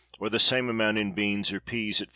or the same amount in beans or peas at 145.